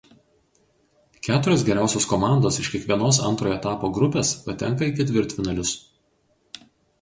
Keturios geriausios komandos iš kiekvienos antrojo etapo grupės patenka į ketvirtfinalius.